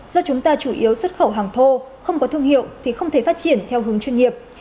do chúng ta chủ yếu xuất khẩu hàng thô không có thương hiệu thì không thể phát triển theo hướng chuyên nghiệp